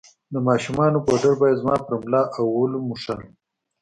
د ماشومانو پوډر به يې زما پر ملا او ولو موښل.